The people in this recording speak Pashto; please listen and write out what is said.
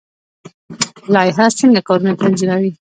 لایحه څنګه کارونه تنظیموي؟